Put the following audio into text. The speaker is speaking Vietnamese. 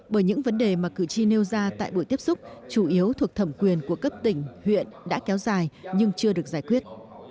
bởi những vấn đề mà cử tri nêu ra tại buổi tiếp xúc chủ yếu thuộc thẩm quyền của cấp tỉnh huyện đã kéo dài nhưng chưa được giải quyết